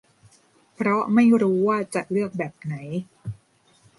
เพราะไม่รู้ว่าจะเลือกแบบไหน